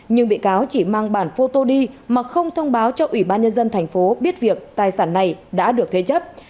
nhưng bị cáo chỉ mang bản phô tô đi mà không thông báo cho ủy ban nhân dân thành phố biết việc tài sản này đã được thê chấp